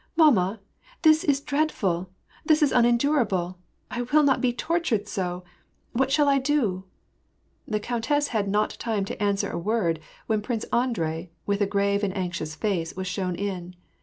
" Mamma ! this is dreadful ! this is unendurable ! I will not be tortured so ! What shall I do ?" The countess had not time to answer a word, when Prince Andrei, with a gi*ave and anxious face, was shown in.